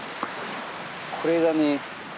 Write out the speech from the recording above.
これがね